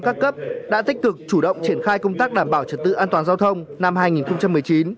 các cấp đã tích cực chủ động triển khai công tác đảm bảo trật tự an toàn giao thông năm hai nghìn một mươi chín